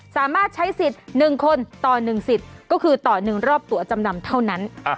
สามารถใช้สิทธิ์๑คนต่อ๑สิทธิ์ก็คือต่อ๑รอบตัวจำนำเท่านั้น